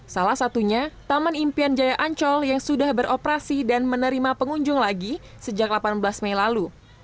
salah satunya taman impian jaya ancol yang sudah beroperasi dan menerima pengunjung lagi sejak delapan belas mei lalu